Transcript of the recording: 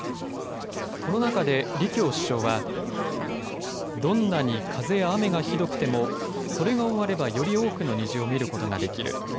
この中で李強首相はどんなに風や雨がひどくてもそれが終われば、より多くの虹を見ることができる。